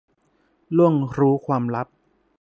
ล่วงรู้ความลับ